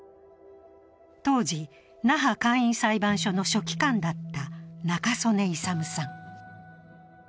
当時、那覇簡易裁判所の書記官だった仲宗根勇さん。